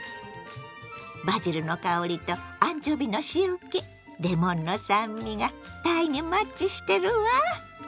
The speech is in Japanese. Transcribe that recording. バジルの香りとアンチョビの塩けレモンの酸味がたいにマッチしてるわ。